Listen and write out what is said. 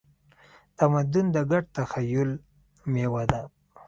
تمدن د ګډ تخیل میوه ده.